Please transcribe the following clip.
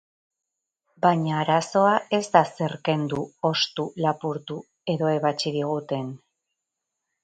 Baina arazoa ez da zer kendu, ostu, lapurtu edo ebatsi diguten.